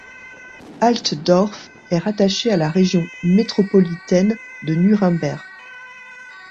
Altdorf est rattaché à la région métropolitaine de Nuremberg.